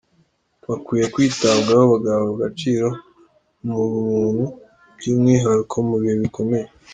Bakwiye kwitabwaho bagahabwa agaciro, mu bumuntu, by’umwihariko mu bihe bikomeye.